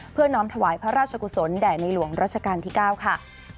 น้อมถวายพระราชกุศลแด่ในหลวงรัชกาลที่๙ค่ะ